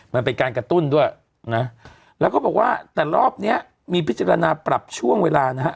มันเป็นการกระตุ้นด้วยนะแล้วเขาบอกว่าแต่รอบเนี้ยมีพิจารณาปรับช่วงเวลานะฮะ